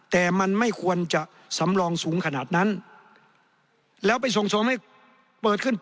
แต่มันไม่ควรจะสำรองสูงขนาดนั้นแล้วไปส่งชมให้เปิดขึ้น